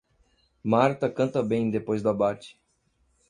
Marta canta bem depois do abate.